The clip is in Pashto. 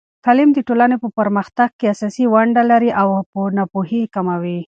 تعلیم د ټولنې په پرمختګ کې اساسي ونډه لري او ناپوهي کموي.